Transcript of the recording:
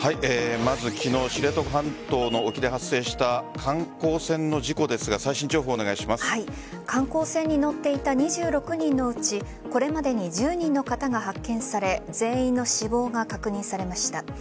まず昨日、知床半島の沖で発生した観光船の事故ですが観光船に乗っていた２６人のうちこれまでに１０人の方が発見され全員の死亡が確認されました。